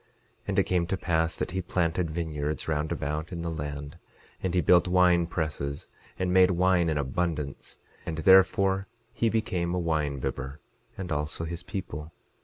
11:15 And it came to pass that he planted vineyards round about in the land; and he built wine presses, and made wine in abundance; and therefore he became a wine bibber, and also his people.